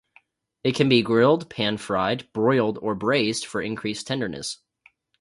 It can be grilled, pan-fried, broiled, or braised for increased tenderness.